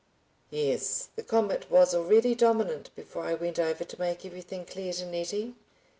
Yes; the comet was already dominant before I went over to make everything clear to Nettie.